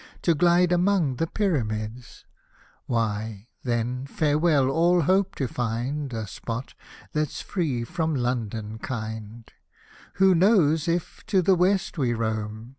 To glide among the Pyramids — Why, then, farewell all hope to find A spot, that's free from London kind I Who knows, if to the West we roam.